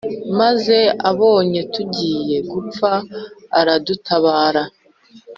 maze abonye tugiye gupfa aradutabara,